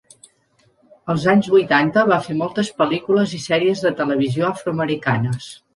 Els anys vuitanta va fer moltes pel·lícules i sèries de televisió afroamericanes.